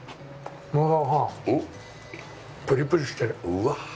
うわ！